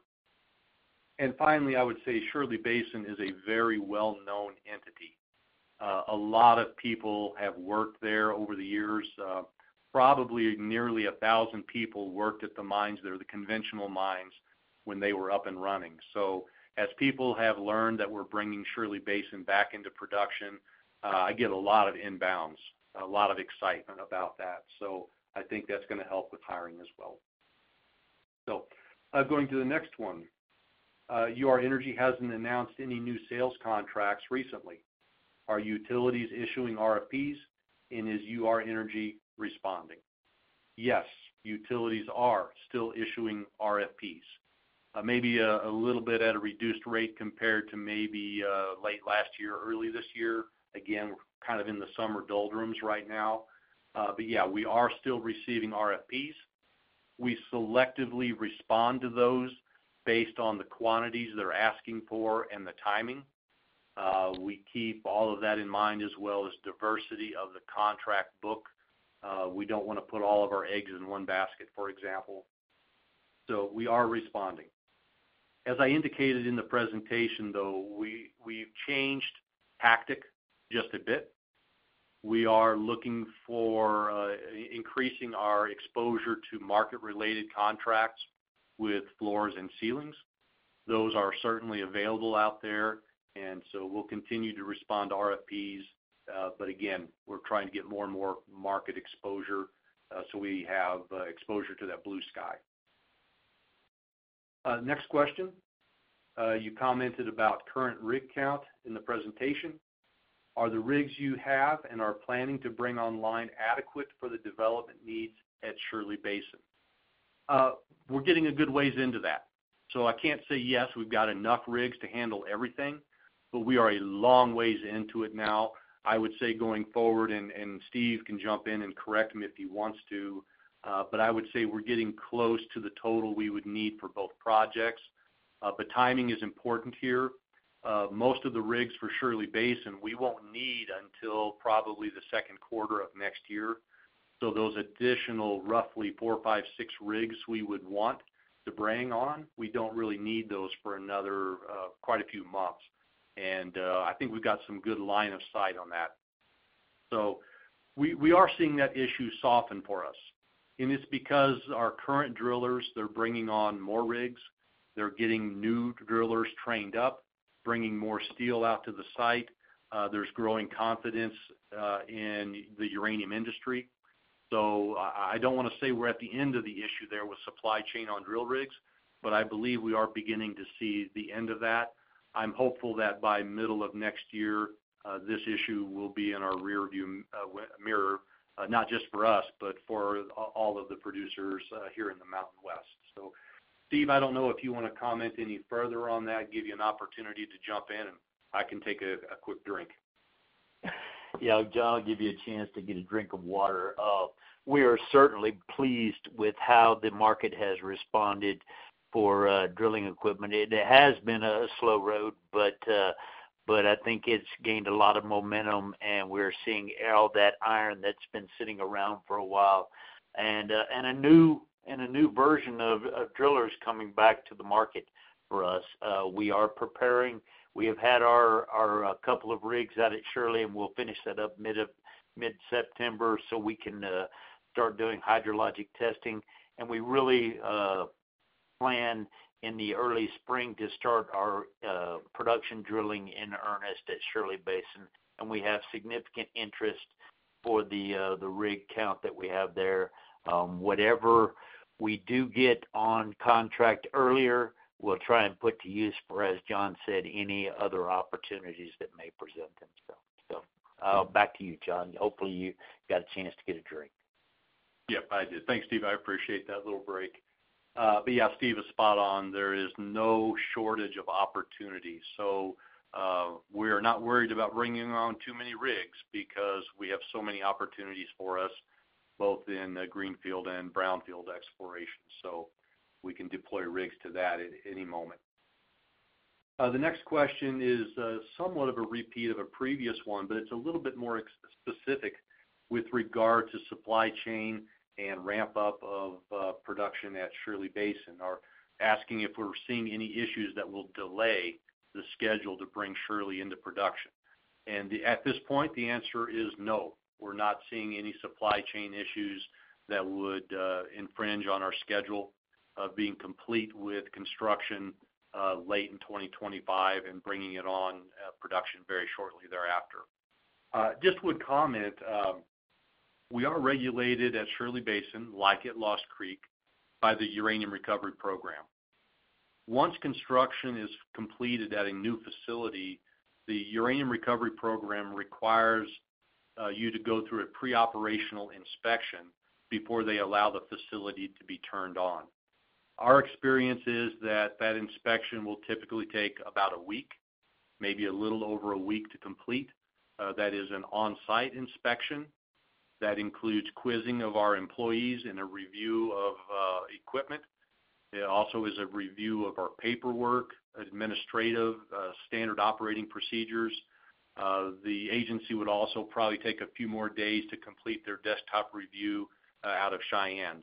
And finally, I would say Shirley Basin is a very well-known entity. A lot of people have worked there over the years. Probably nearly a thousand people worked at the mines there, the conventional mines, when they were up and running. So as people have learned that we're bringing Shirley Basin back into production, I get a lot of inbounds, a lot of excitement about that. So I think that's going to help with hiring as well. So, going to the next one. Ur-Energy hasn't announced any new sales contracts recently. Are utilities issuing RFPs, and is Ur-Energy responding? Yes, utilities are still issuing RFPs. Maybe a little bit at a reduced rate compared to maybe late last year or early this year. Again, we're kind of in the summer doldrums right now. But yeah, we are still receiving RFPs. We selectively respond to those based on the quantities they're asking for and the timing. We keep all of that in mind, as well as diversity of the contract book. We don't want to put all of our eggs in one basket, for example. So we are responding. As I indicated in the presentation, though, we've changed tactic just a bit. We are looking for increasing our exposure to market-related contracts with floors and ceilings. Those are certainly available out there, and so we'll continue to respond to RFPs. But again, we're trying to get more and more market exposure, so we have exposure to that blue sky. Next question. You commented about current rig count in the presentation. Are the rigs you have and are planning to bring online adequate for the development needs at Shirley Basin? We're getting a good ways into that. So I can't say, yes, we've got enough rigs to handle everything, but we are a long ways into it now. I would say going forward, and Steve can jump in and correct me if he wants to, but I would say we're getting close to the total we would need for both projects. But timing is important here. Most of the rigs for Shirley Basin, we won't need until probably the second quarter of next year. So those additional, roughly four, five, six rigs we would want to bring on, we don't really need those for another, quite a few months. And I think we've got some good line of sight on that. So we are seeing that issue soften for us, and it's because our current drillers, they're bringing on more rigs. They're getting new drillers trained up, bringing more steel out to the site. There's growing confidence in the uranium industry. So I don't want to say we're at the end of the issue there with supply chain on drill rigs, but I believe we are beginning to see the end of that. I'm hopeful that by middle of next year, this issue will be in our rearview mirror, not just for us, but for all of the producers here in the Mountain West. So, Steve, I don't know if you want to comment any further on that, give you an opportunity to jump in, and I can take a quick drink. Yeah, John, I'll give you a chance to get a drink of water. We are certainly pleased with how the market has responded for drilling equipment. It has been a slow road, but I think it's gained a lot of momentum, and we're seeing all that iron that's been sitting around for a while, and a new version of drillers coming back to the market for us. We are preparing. We have had our couple of rigs out at Shirley, and we'll finish that up mid-September, so we can start doing hydrologic testing. We really plan in the early spring to start our production drilling in earnest at Shirley Basin. We have significant interest for the rig count that we have there. Whatever we do get on contract earlier, we'll try and put to use for, as John said, any other opportunities that may present themselves. Back to you, John. Hopefully, you got a chance to get a drink. Yep, I did. Thanks, Steve. I appreciate that little break. But yeah, Steve is spot on. There is no shortage of opportunities. We're not worried about bringing on too many rigs because we have so many opportunities for us, both in the greenfield and brownfield exploration, so we can deploy rigs to that at any moment. The next question is somewhat of a repeat of a previous one, but it's a little bit more specific with regard to supply chain and ramp up of production at Shirley Basin asking if we're seeing any issues that will delay the schedule to bring Shirley into production. And at this point, the answer is no. We're not seeing any supply chain issues that would infringe on our schedule of being complete with construction late in 2025 and bringing it on production very shortly thereafter. Just would comment, we are regulated at Shirley Basin, like at Lost Creek, by the Uranium Recovery Program. Once construction is completed at a new facility, the Uranium Recovery Program requires you to go through a pre-operational inspection before they allow the facility to be turned on. Our experience is that that inspection will typically take about a week, maybe a little over a week to complete. That is an on-site inspection that includes quizzing of our employees in a review of equipment. It also is a review of our paperwork, administrative standard operating procedures. The agency would also probably take a few more days to complete their desktop review out of Cheyenne.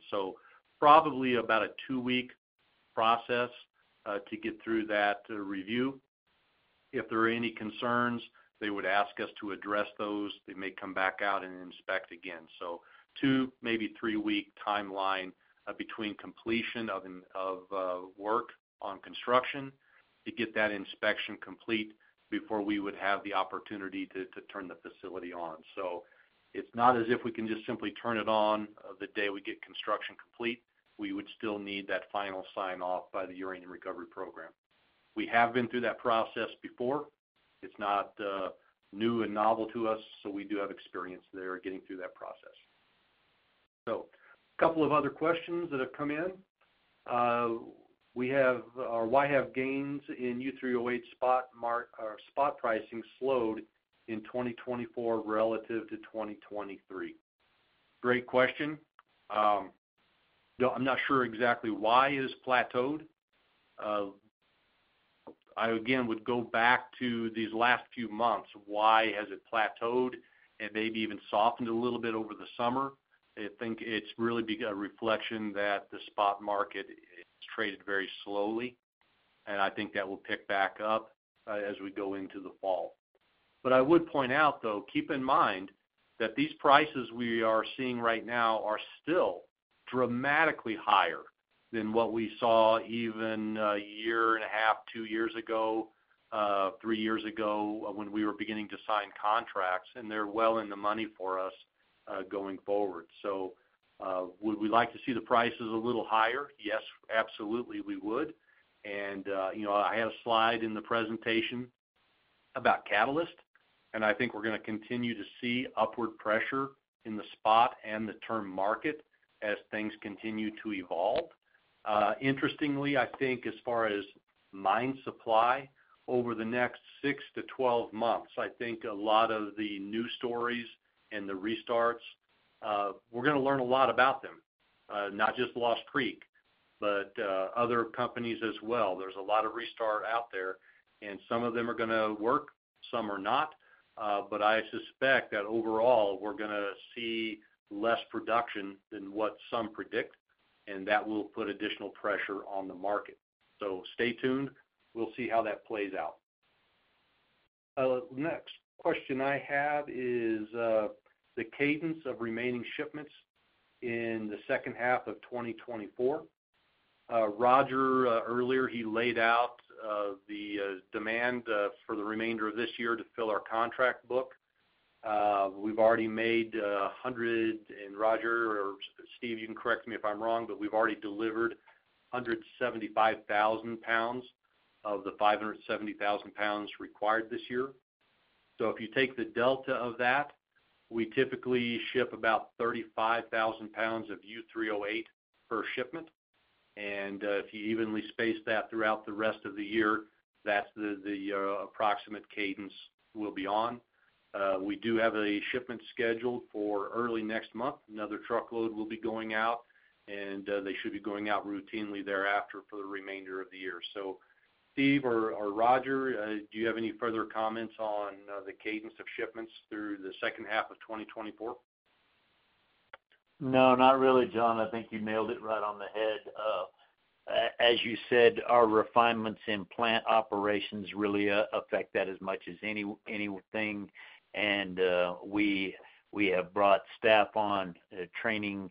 So probably about a two-week process to get through that review. If there are any concerns, they would ask us to address those. They may come back out and inspect again. So two, maybe three-week timeline between completion of work on construction to get that inspection complete before we would have the opportunity to turn the facility on. So it's not as if we can just simply turn it on the day we get construction complete. We would still need that final sign-off by the Uranium Recovery Program. We have been through that process before. It's not new and novel to us, so we do have experience there getting through that process. A couple of other questions that have come in. Why have gains in U3O8 spot market or spot pricing slowed in 2024 relative to twenty twenty-three? Great question. No, I'm not sure exactly why it's plateaued. I again would go back to these last few months. Why has it plateaued and maybe even softened a little bit over the summer? I think it's really be a reflection that the spot market has traded very slowly, and I think that will pick back up as we go into the fall. But I would point out, though, keep in mind that these prices we are seeing right now are still dramatically higher than what we saw even, a year and a half, two years ago, three years ago, when we were beginning to sign contracts, and they're well in the money for us, going forward. So, would we like to see the prices a little higher? Yes, absolutely, we would. And, you know, I had a slide in the presentation about catalyst, and I think we're gonna continue to see upward pressure in the spot and the term market as things continue to evolve. Interestingly, I think as far as mine supply over the next six to 12 months, I think a lot of the new stories and the restarts, we're gonna learn a lot about them, not just Lost Creek, but other companies as well. There's a lot of restart out there, and some of them are gonna work, some are not. But I suspect that overall, we're gonna see less production than what some predict, and that will put additional pressure on the market. So stay tuned. We'll see how that plays out. The next question I have is the cadence of remaining shipments in the second half of 2024. Roger, earlier, he laid out the demand for the remainder of this year to fill our contract book. We've already made hundred... And Roger or Steve, you can correct me if I'm wrong, but we've already delivered 175,000 pounds of the 570,000 pounds required this year. So if you take the delta of that, we typically ship about 35,000 pounds of U3O8 per shipment. And if you evenly space that throughout the rest of the year, that's the approximate cadence we'll be on. We do have a shipment scheduled for early next month. Another truckload will be going out, and they should be going out routinely thereafter for the remainder of the year. So Steve or Roger, do you have any further comments on the cadence of shipments through the second half of 2024? No, not really, John. I think you nailed it right on the head. As you said, our refinements in plant operations really affect that as much as any, anything. And we have brought staff on, training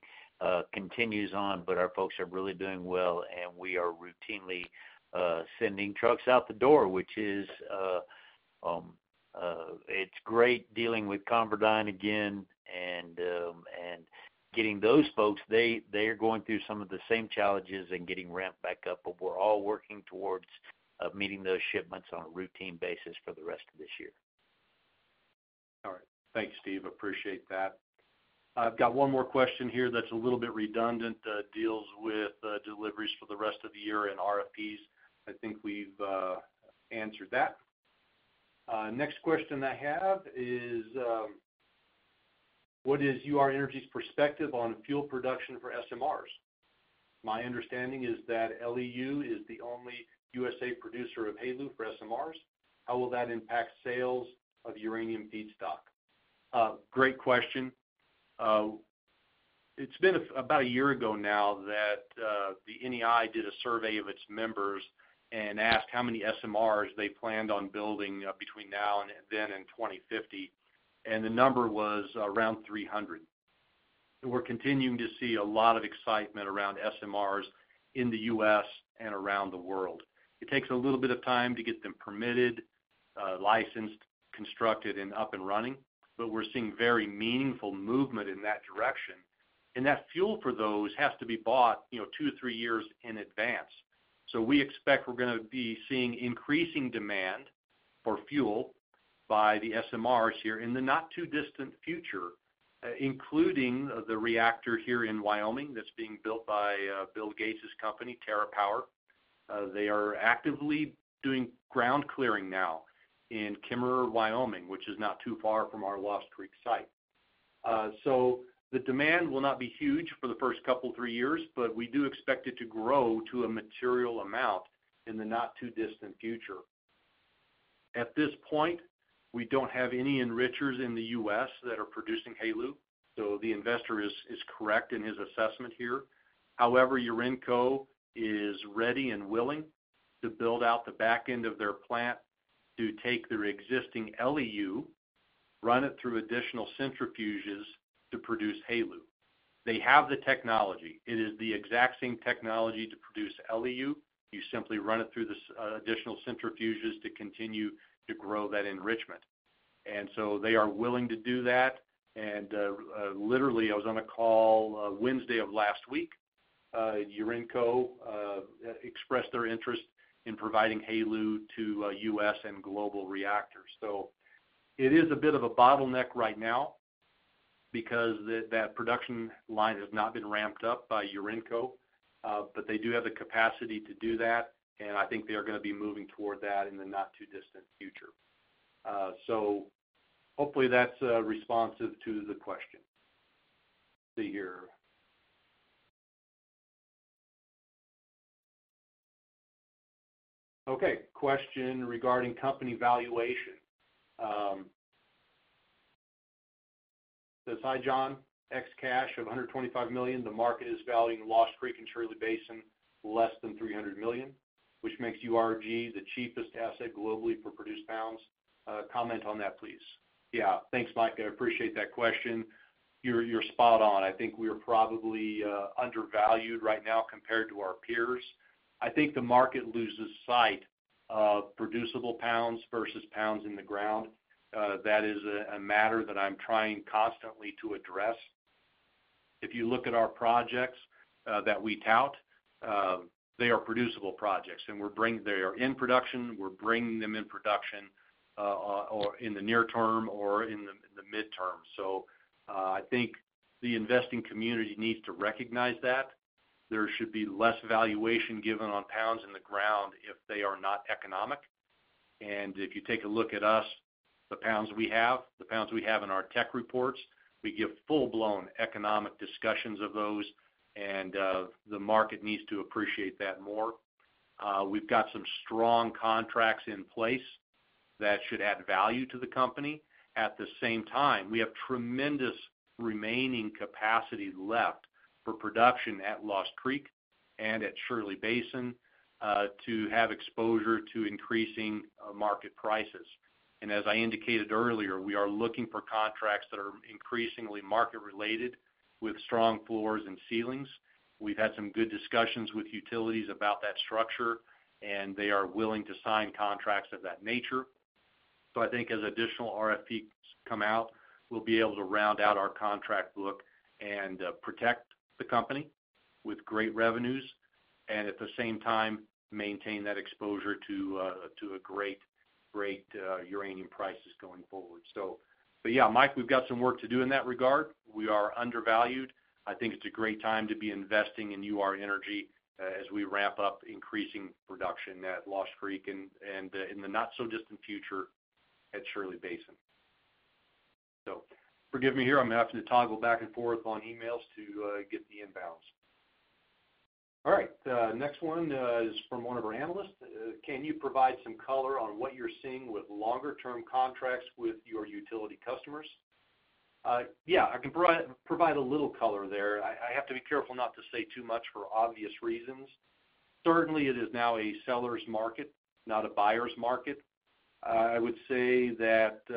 continues on, but our folks are really doing well, and we are routinely sending trucks out the door, which is, it's great dealing with ConverDyn again and getting those folks. They are going through some of the same challenges and getting ramped back up, but we're all working towards meeting those shipments on a routine basis for the rest of this year. All right. Thanks, Steve. Appreciate that. I've got one more question here that's a little bit redundant, deals with deliveries for the rest of the year and RFPs. I think we've answered that. Next question I have is: What is Ur-Energy's perspective on fuel production for SMRs? My understanding is that LEU is the only U.S. producer of HALEU for SMRs. How will that impact sales of uranium feedstock? Great question. It's been about a year ago now that the NEI did a survey of its members and asked how many SMRs they planned on building between now and then in twenty fifty, and the number was around 300. We're continuing to see a lot of excitement around SMRs in the U.S. and around the world. It takes a little bit of time to get them permitted, licensed, constructed, and up and running, but we're seeing very meaningful movement in that direction, and that fuel for those has to be bought, you know, two to three years in advance, so we expect we're gonna be seeing increasing demand for fuel by the SMRs here in the not-too-distant future, including the reactor here in Wyoming that's being built by Bill Gates's company, TerraPower. They are actively doing ground clearing now in Kemmerer, Wyoming, which is not too far from our Lost Creek site, so the demand will not be huge for the first couple, three years, but we do expect it to grow to a material amount in the not-too-distant future. At this point, we don't have any enrichers in the U.S. that are producing HALEU, so the investor is correct in his assessment here. However, Urenco is ready and willing to build out the back end of their plant to take their existing LEU, run it through additional centrifuges to produce HALEU. They have the technology. It is the exact same technology to produce LEU. You simply run it through the additional centrifuges to continue to grow that enrichment. And so they are willing to do that. And, literally, I was on a call, Wednesday of last week, Urenco expressed their interest in providing HALEU to, U.S. and global reactors. So it is a bit of a bottleneck right now because that production line has not been ramped up by Urenco, but they do have the capacity to do that, and I think they are gonna be moving toward that in the not-too-distant future. So hopefully that's responsive to the question. Let's see here. Okay, question regarding company valuation. Says, "Hi, John, ex cash of $125 million, the market is valuing Lost Creek and Shirley Basin less than $300 million, which makes URG the cheapest asset globally for produced pounds. Comment on that, please." Yeah. Thanks, Mike. I appreciate that question. You're spot on. I think we are probably undervalued right now compared to our peers. I think the market loses sight of producible pounds versus pounds in the ground. That is a matter that I'm trying constantly to address. If you look at our projects, that we tout, they are producible projects, and they are in production, we're bringing them in production, or in the near term or in the midterm. So, I think the investing community needs to recognize that. There should be less valuation given on pounds in the ground if they are not economic. And if you take a look at us, the pounds we have in our tech reports, we give full-blown economic discussions of those, and the market needs to appreciate that more. We've got some strong contracts in place that should add value to the company. At the same time, we have tremendous remaining capacity left for production at Lost Creek and at Shirley Basin to have exposure to increasing market prices. As I indicated earlier, we are looking for contracts that are increasingly market-related with strong floors and ceilings. We've had some good discussions with utilities about that structure, and they are willing to sign contracts of that nature. So I think as additional RFPs come out, we'll be able to round out our contract book and protect the company with great revenues, and at the same time, maintain that exposure to great uranium prices going forward. But yeah, Mike, we've got some work to do in that regard. We are undervalued. I think it's a great time to be investing in Ur-Energy as we ramp up increasing production at Lost Creek and in the not so distant future at Shirley Basin. So forgive me here, I'm gonna have to toggle back and forth on emails to get the inbounds. All right, the next one is from one of our analysts. Can you provide some color on what you're seeing with longer-term contracts with your utility customers? Yeah, I can provide a little color there. I have to be careful not to say too much for obvious reasons. Certainly, it is now a seller's market, not a buyer's market. I would say that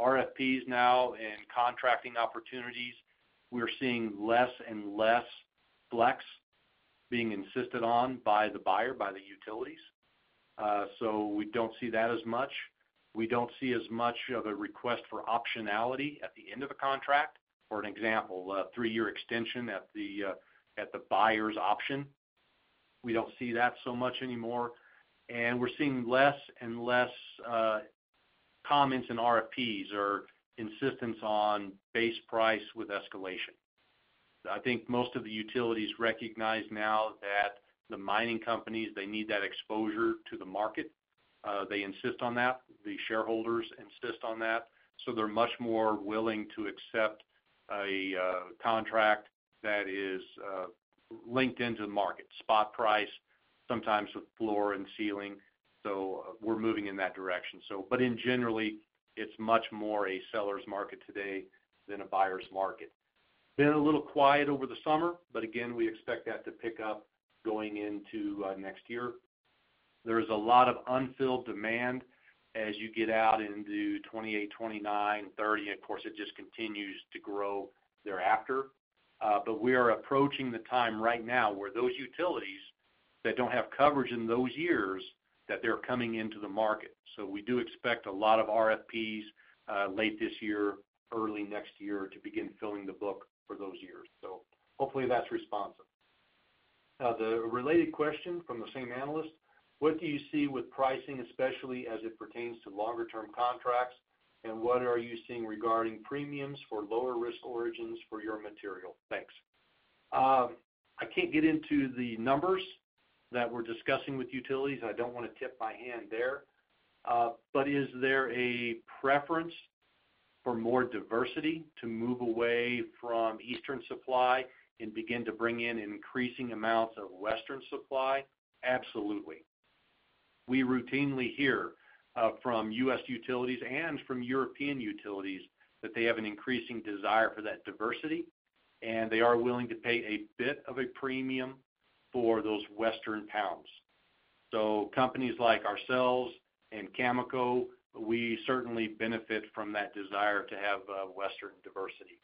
RFPs now and contracting opportunities, we're seeing less and less flex being insisted on by the buyer, by the utilities. So we don't see that as much. We don't see as much of a request for optionality at the end of a contract, for example, a three-year extension at the buyer's option. We don't see that so much anymore, and we're seeing less and less comments in RFPs or insistence on base price with escalation. I think most of the utilities recognize now that the mining companies, they need that exposure to the market. They insist on that. The shareholders insist on that, so they're much more willing to accept a contract that is linked into the market. Spot price, sometimes with floor and ceiling, so we're moving in that direction. But in general, it's much more a seller's market today than a buyer's market. Been a little quiet over the summer, but again, we expect that to pick up going into next year. There is a lot of unfilled demand as you get out into 2028, 2029, 2030, and of course, it just continues to grow thereafter, but we are approaching the time right now where those utilities that don't have coverage in those years, that they're coming into the market. So we do expect a lot of RFPs, late this year, early next year, to begin filling the book for those years. So hopefully, that's responsive. Now, the related question from the same analyst: What do you see with pricing, especially as it pertains to longer-term contracts, and what are you seeing regarding premiums for lower-risk origins for your material? Thanks. I can't get into the numbers that we're discussing with utilities. I don't wanna tip my hand there. But is there a preference for more diversity to move away from Eastern supply and begin to bring in increasing amounts of Western supply? Absolutely. We routinely hear from U.S. utilities and from European utilities that they have an increasing desire for that diversity, and they are willing to pay a bit of a premium for those Western pounds. So companies like ourselves and Cameco, we certainly benefit from that desire to have Western diversity.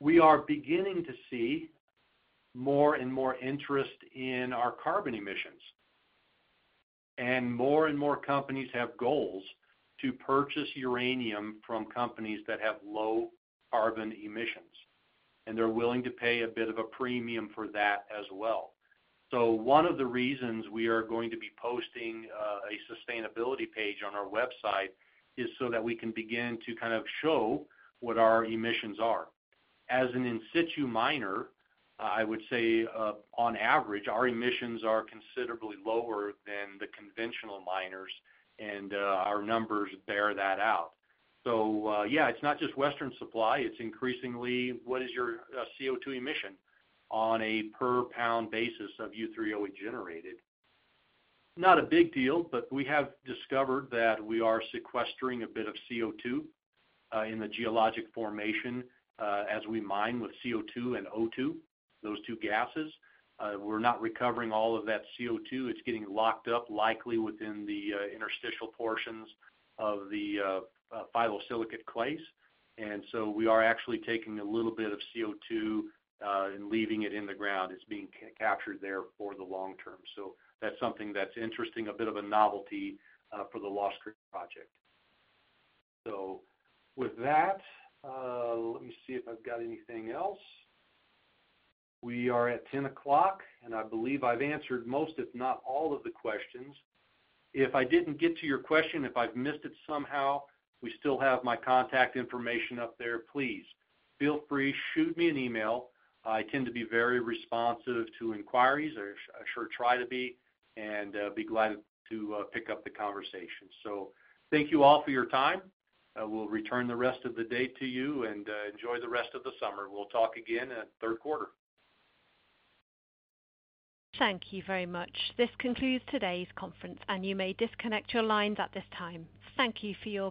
We are beginning to see more and more interest in our carbon emissions, and more and more companies have goals to purchase uranium from companies that have low carbon emissions, and they're willing to pay a bit of a premium for that as well. So one of the reasons we are going to be posting a sustainability page on our website is so that we can begin to kind of show what our emissions are. As an in-situ miner, I would say on average our emissions are considerably lower than the conventional miners, and our numbers bear that out. So yeah, it's not just Western supply, it's increasingly what is your CO2 emission on a per-pound basis of U3O8 generated? Not a big deal, but we have discovered that we are sequestering a bit of CO2 in the geologic formation as we mine with CO2 and O2, those two gases. We're not recovering all of that CO2. It's getting locked up, likely within the interstitial portions of the phyllosilicate clays. And so we are actually taking a little bit of CO2 and leaving it in the ground. It's being captured there for the long term. So that's something that's interesting, a bit of a novelty for the Lost Creek project. So with that, let me see if I've got anything else. We are at 10:00, and I believe I've answered most, if not all, of the questions. If I didn't get to your question, if I've missed it somehow, we still have my contact information up there. Please, feel free, shoot me an email. I tend to be very responsive to inquiries, or I sure try to be, and be glad to pick up the conversation. So thank you all for your time. We'll return the rest of the day to you, and enjoy the rest of the summer. We'll talk again at third quarter. Thank you very much. This concludes today's conference, and you may disconnect your lines at this time. Thank you for your participation.